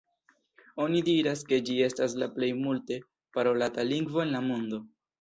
Oni diras ke ĝi estas la plej multe parolata lingvo en la mondo.